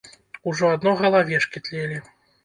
Ужо адно галавешкі тлелі.